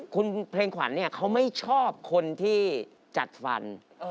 คุณเพลงขวัญเนี่ยเขาไม่ชอบคนที่จัดฟัน